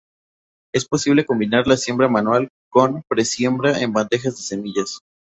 Es posible combinar la siembra manual con pre-siembra en bandejas de semillas.